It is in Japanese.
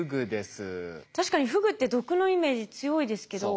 確かにフグって毒のイメージ強いですけど。